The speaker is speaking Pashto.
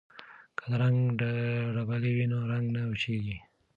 که د رنګ ډبلي وي نو رنګ نه وچیږي.